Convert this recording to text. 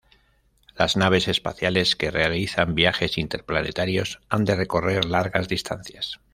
Las naves espaciales que realizan viajes interplanetarios han de recorrer largas distancias.